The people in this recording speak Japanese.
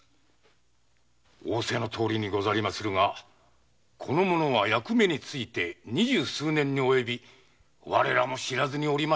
仰せのとおりですがこの者は役目について二十数年に及び我らも知らずにおりました故。